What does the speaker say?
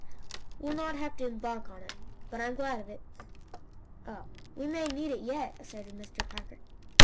"We'll not have to embark on it, and I'm glad of it." "Oh, we may need it yet," asserted Mr. Parker.